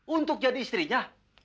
untuk jadi istrinya